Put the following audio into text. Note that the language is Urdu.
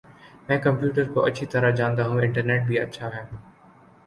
میں کمپیوٹرکو اچھی طرح جانتا ہوں انٹرنیٹ بھی اچھا ہے